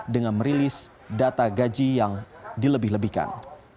dengan merilis data gaji yang dilebih lebihkan